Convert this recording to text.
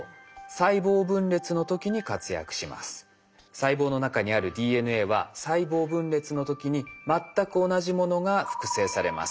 細胞の中にあるＤＮＡは細胞分裂の時に全く同じものが複製されます。